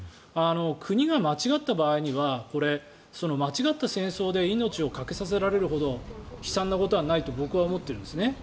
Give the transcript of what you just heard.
国が間違った場合には間違った戦争で命をかけさせられるほど悲惨なことはないと僕は思っているんですね。